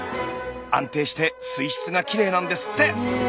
安定して水質がきれいなんですって！